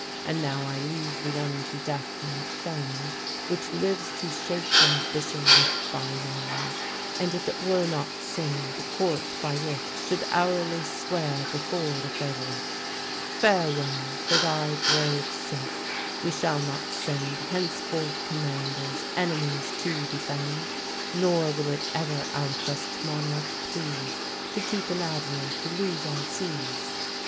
And now I leave thee unto Death and Fame, Which lives to shake Ambition with thy name; And if it were not sin, the court by it Should hourly swear before the favourite. Farewell! for thy brave sake we shall not send Henceforth commanders, enemies to defend; Nor will it ever our just monarch please, To keep an admiral to lose our seas.